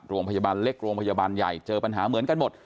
โรงพยาบาลเล็กโรงพยาบาลใหญ่เจอปัญหาเหมือนกันหมด